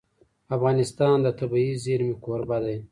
افغانستان د طبیعي زیرمې کوربه دی.